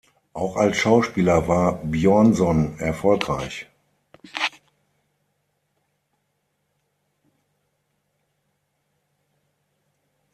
Auch als Schauspieler war Bjørnson erfolgreich.